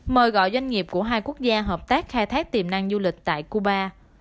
mời gọi doanh nghiệp của hai quốc gia hợp tác khai thác tiềm năng du lịch tại cuba